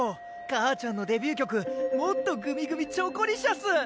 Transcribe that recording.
母ちゃんのデビュー曲「もっとグミグミチョコリシャス」。